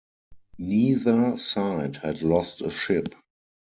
Neither side had lost a ship.